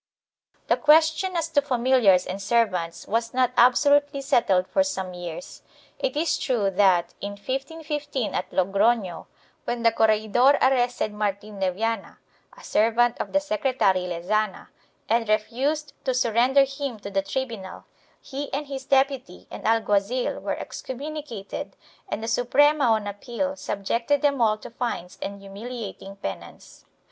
2 The question as to familiars and servants was not absolutely settled for some years. It is true that, in 1515 at Logrono, when the corregidor arrested Martin de Viana, a servant of the secre tary Lezana, and refused to surrender him to the tribunal, he and his deputy and alguazil were excommunicated and the Suprema on appeal subjected them all to fines and humiliating penance.